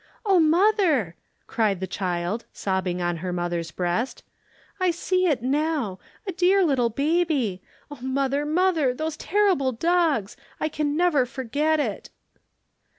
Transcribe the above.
"Oh, Mother!" cried the child, sobbing on her mother's breast, "I see it now, a dear little baby. Oh, mother, mother, those terrible dogs. I can never forget it."